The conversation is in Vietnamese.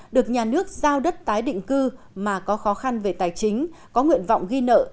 được nhà nước giao đất tái định cư mà có khó khăn về tài chính có nguyện vọng ghi nợ